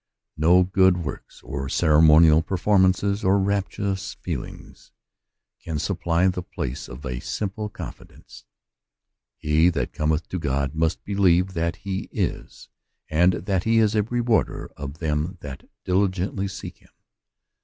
No good works, or ceremonial performances, or rapturous feelings, can supply the place of a simple confidence. "He that cometh to God must believe that he is, and that he is a rewarder of them that diligently seek him.